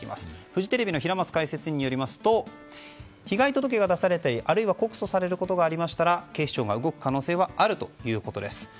フジテレビの平松解説委員によりますと被害届が出されたりあるいは告訴されることがあれば警視庁が動く可能性はあるということです。